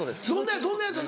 どんなやつ？